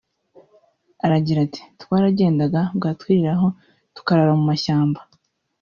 Aragira ati “Twaragendaga bwatwiriraho tukarara mu mashyamba